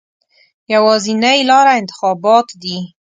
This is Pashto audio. یوازینۍ لاره انتخابات دي.